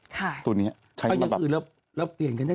ก็ยังคือเราเปลี่ยนกันได้